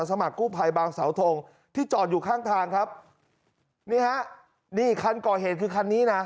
สมัครกู้ภัยบางสาวทงที่จอดอยู่ข้างทางครับนี่ฮะนี่คันก่อเหตุคือคันนี้นะ